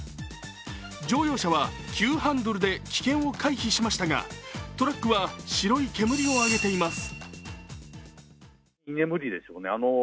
乗用車は急ハンドルで危険を回避しましたがトラックは白い煙を上げています。